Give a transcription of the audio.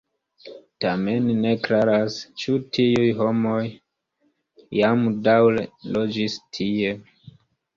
Tamen ne klaras, ĉu tiuj homoj jam daŭre loĝis tie.